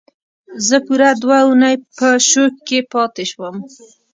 زه پوره دوه اونۍ په شوک کې پاتې شوم